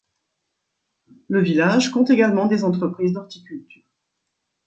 Le village compte également des entreprises d'horticulture.